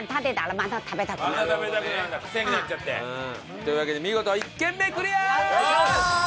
また食べたくなるんだクセになっちゃって。というわけで見事１軒目クリア！